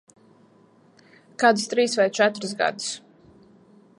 Kādus trīs vai četrus gadus.